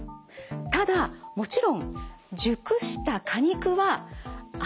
ただもちろん熟した果肉は安全です。